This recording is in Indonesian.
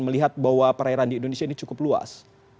melihat bahwa perairan di indonesia ini cukup luas